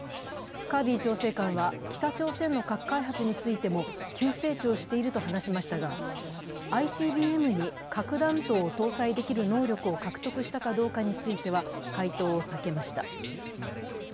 カービー調整官は北朝鮮の核開発についても急成長していると話しましたが、ＩＣＢＭに核弾頭を搭載できる能力を獲得したかどうかについては回答を避けました。